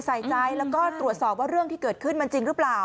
ใส่ใจแล้วก็ตรวจสอบว่าเรื่องที่เกิดขึ้นมันจริงหรือเปล่า